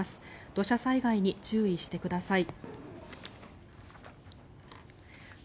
土砂災害に注意してください。